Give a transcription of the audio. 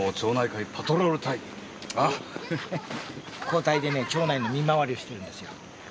交代でね町内の見回りをしてるんですよ。